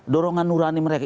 dorongan nurani mereka